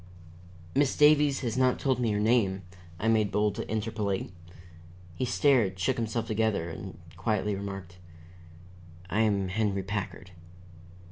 "Miss Davies has not told me your name," I made bold to interpolate. He stared, shook himself together, and quietly, remarked: "I am Henry Packard."